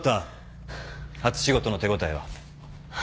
初仕事の手応えは。